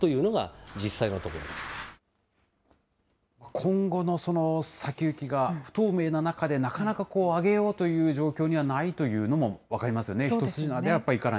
今後の先行きが不透明な中で、なかなか上げようという状況にはないというのも分かりますよね。